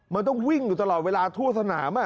มันต้องวิ่งอยู่ตลอดเวลาทั่วสนาม